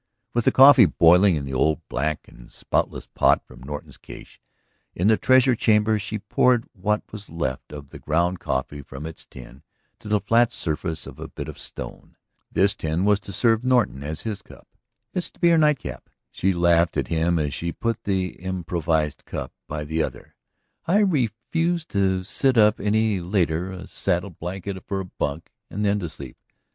With the coffee boiling in the old black and spoutless pot from Norton's cache in the Treasure Chamber, she poured what was left of the ground coffee from its tin to the flat surface of a bit of stone. This tin was to serve Norton as his cup. "It's to be our night cap," she laughed at him as she put the improvised cup by the other. "I refuse to sit up any later; a saddle blanket for bunk, and then to sleep.